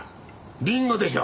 ビンゴでしょう？